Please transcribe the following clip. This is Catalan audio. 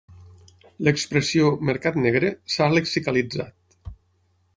L'expressió 'mercat negre' s'ha lexicalitzat.